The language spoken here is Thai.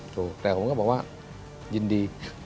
ถูกแต่ผมก็บอกว่ายินดี